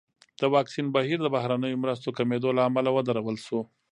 د واکسین بهیر د بهرنیو مرستو کمېدو له امله ودرول شو.